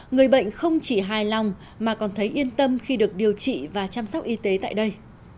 người bệnh không chỉ hài lòng mà còn thấy yên tâm khi được điều trị và chăm sóc y tế tại đây